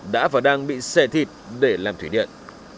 các khu rộng bậc thang bị xè thịt để làm thủy điện